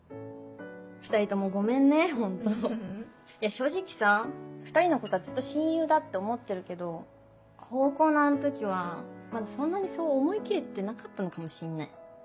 正直さ２人のことはずっと親友だって思ってるけど高校のあの時はまだそんなにそう思いきれてなかったのかもしんない。